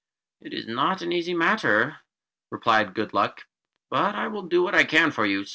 "It is not an easy matter," replied Good Luck, "but I will do what I can for you.